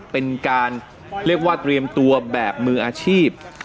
เป็นการเรียกว่าเตรียมตัวแบบมืออาชีพ